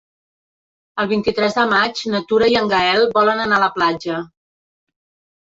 El vint-i-tres de maig na Tura i en Gaël volen anar a la platja.